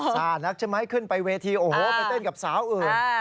ซ่านักใช่ไหมขึ้นไปเวทีโอ้โหไปเต้นกับสาวอื่น